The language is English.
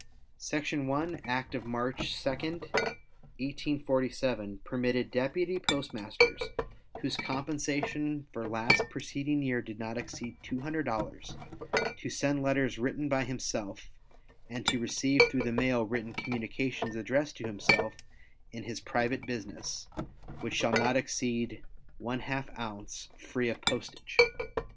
Section 1, Act of March 2, 1847, permitted deputy postmasters whose compensation for last preceding year did not exceed $200 to send letters written by himself, and to receive through the mail written communications addressed to himself in his private business which shall not exceed ½ ounce, free of postage.